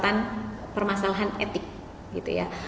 tidak punya catatan permasalahan etik gitu ya